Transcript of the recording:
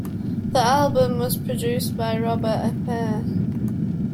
The album was produced by Robert Appere.